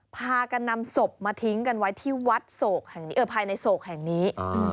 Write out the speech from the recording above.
พากันนำศพมาทิ้งกันไว้ที่วัดศพแห่งนี้